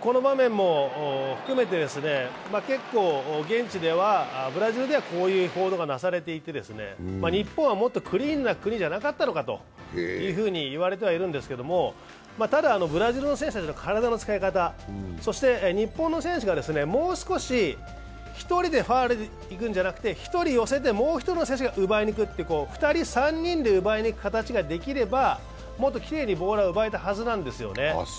この場面も含めて、結構、現地ではブラジルでは、こういう報道がなされていて日本はもっとクリーンな国じゃなかったのかと言われているんですけども、ただ、ブラジルの選手の体の使い方そして日本の選手がもう少し１人で行くんじゃなくて１人寄せて、もう１人の選手が奪いにいく、２人、３人で奪う形ができれば、もっときれいにボールは奪えたはずなんですよね。